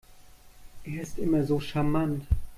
Er ist immer so charmant.